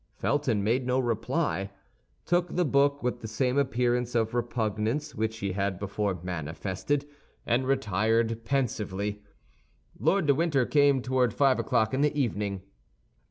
Felton made no reply, took the book with the same appearance of repugnance which he had before manifested, and retired pensively. Lord de Winter came toward five o'clock in the evening.